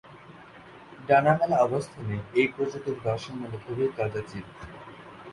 ডানা মেলা অবস্থানে এই প্রজাতির দর্শন মেলে খুবই কদাচিৎ।